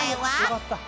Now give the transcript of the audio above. よかった。